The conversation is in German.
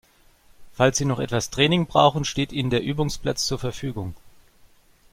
Falls Sie noch etwas Training brauchen, steht Ihnen der Übungsplatz zur Verfügung.